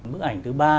bức ảnh thứ ba